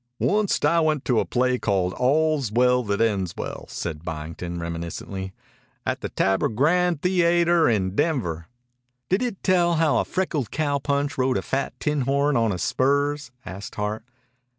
"Onct I went to a play called 'All's Well That Ends Well,'" said Byington reminiscently. "At the Tabor Grand the á ter, in Denver." "Did it tell how a freckled cow punch rode a fat tinhorn on his spurs?" asked Hart.